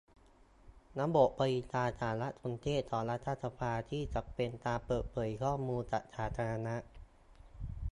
ระบบบริการสารสนเทศของรัฐสภาที่จะเป็นการเปิดเผยข้อมูลกับสาธารณะ